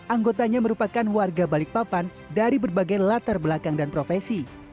anggotanya merupakan warga balikpapan dari berbagai latar belakang dan profesi